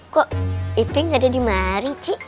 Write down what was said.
kok iping ada di mari cik